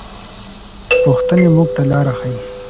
پوښتنې موږ ته لاره ښيي.